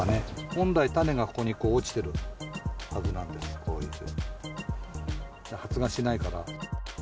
本来、種がここに落ちてるはずなんです、こういうふうに、発芽しないから。